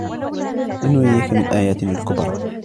لِنُرِيَكَ مِنْ آيَاتِنَا الْكُبْرَى